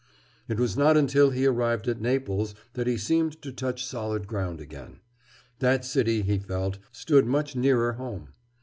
It was not until he arrived at Naples that he seemed to touch solid ground again. That city, he felt, stood much nearer home.